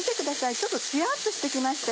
ちょっとツヤっとして来ました。